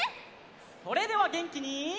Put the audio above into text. それではげんきに。